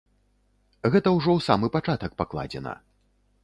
Гэта ўжо ў самы пачатак пакладзена.